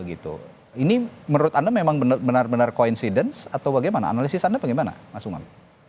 ini menurut anda memang benar benar considence atau bagaimana analisis anda bagaimana mas umam